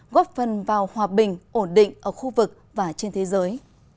góp phần vào hòa bình ổn định ở khu vực và trên thế giới